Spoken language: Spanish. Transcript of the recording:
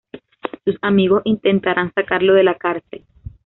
Sus amigos intentarán sacarlo de la cárcel.